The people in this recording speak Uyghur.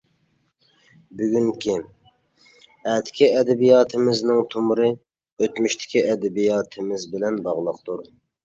بۈگۈنكى، ئەتىكى ئەدەبىياتىمىزنىڭ تومۇرى ئۆتمۈشتىكى ئەدەبىياتىمىز بىلەن باغلىقتۇر.